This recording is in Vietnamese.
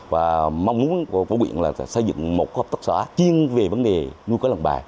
và mong muốn của quyện là xây dựng một hợp tác xã chuyên về vấn đề nuôi cái lồng bè